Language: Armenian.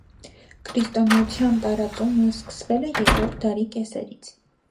Քրիստոնեության տարածումն սկսվել է երրորդ դարի կեսերից։